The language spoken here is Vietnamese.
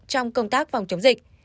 trong công tác phòng covid một mươi chín